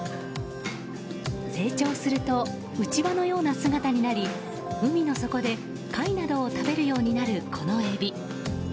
成長するとうちわのような姿になり海の底で貝などを食べるようになるこのエビ。